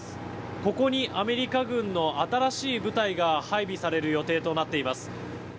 ここにアメリカ軍の新しい部隊が配備される予定となっています。